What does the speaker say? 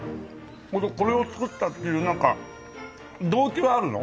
これを作ったっていうなんか動機はあるの？